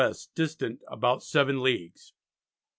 distant about 7 leagues."